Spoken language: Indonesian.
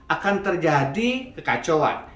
akan terjadi kekacauan